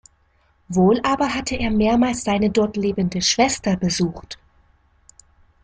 Wohl aber hatte er mehrmals seine dort lebende Schwester besucht.